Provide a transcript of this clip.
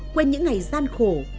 quên những ngày gian khổ